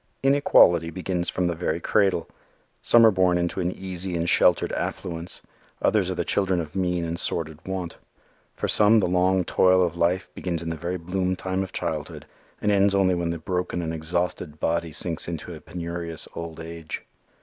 Inequality begins from the very cradle. Some are born into an easy and sheltered affluence. Others are the children of mean and sordid want. For some the long toil of life begins in the very bloom time of childhood and ends only when the broken and exhausted body sinks into a penurious old age.